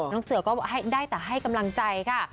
น้องเสือก็ได้แต่ให้กำลังใจค่ะ